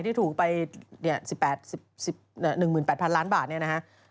ที่ถูกไป๑๘๐๐ล้านบาทเนี่ยนะฮะ